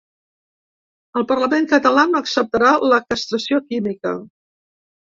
El parlament català no acceptarà la castració química.